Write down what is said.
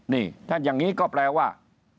นี่ท่านอย่างนี้ก็แปลว่า